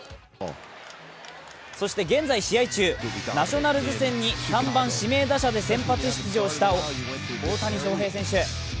現在試合中、ナショナルズ戦に指名打者で出場した大谷翔平選手